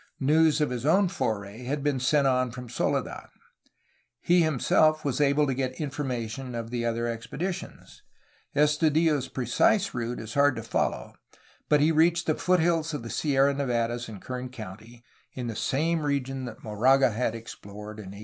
News of his own foray had been sent on from Soledad. He himself was able to get informa tion of the other expeditions. Estudillo's precise route is hard to follow, but he reached the foothills of the Sierra Nevadas in Kern County, in the same region that Moraga had explored in 1806.